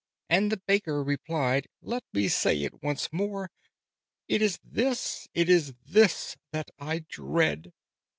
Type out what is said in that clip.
And the Baker replied "Let me say it once more. It is this, it is this that I dread!